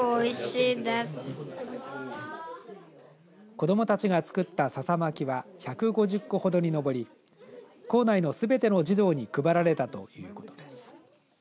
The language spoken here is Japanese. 子どもたちが作ったささ巻きは１５０個ほどに上り校内のすべての児童に配られたということです。